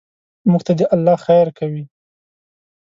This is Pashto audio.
موږ ته دې الله خیر کوي.